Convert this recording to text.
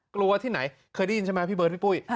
ที่ไหนเคยได้ยินใช่ไหมพี่เบิร์ดพี่ปุ้ย